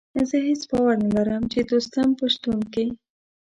زه هېڅ باور نه لرم چې د دوستم په شتون کې.